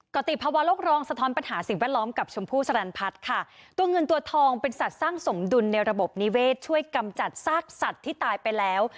ติภาวะโลกรองสะท้อนปัญหาสิ่งแวดล้อมกับชมพู่สรรพัฒน์ค่ะตัวเงินตัวทองเป็นสัตว์สร้างสมดุลในระบบนิเวศช่วยกำจัดซากสัตว์ที่ตายไปแล้ว